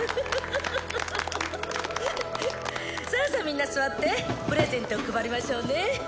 おっとさあさみんな座ってプレゼントを配りましょうね